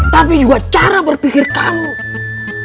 saya jadi bingung pak ustadz